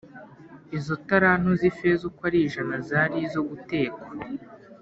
Izo talanto z ifeza uko ari ijana zari izo gutekwa